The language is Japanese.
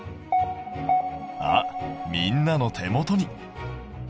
あっみんなの手元に。